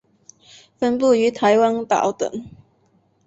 分布于台湾岛等。